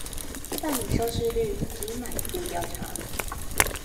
辦理收視率及滿意度調查